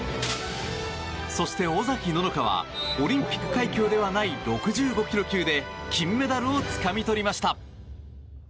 そして、尾崎野乃香はオリンピック階級ではない６５ｋｇ級で金メダルをつかみとりました。